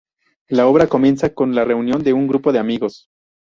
La obra comienza con la reunión de un grupo de amigos.